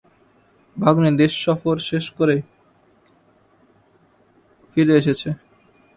ভাগ্নে দেশ সফর শেষ করে ফিরে এসেছে।